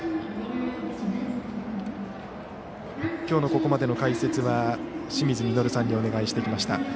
きょうのここまでの解説は清水稔さんにお願いしてきました。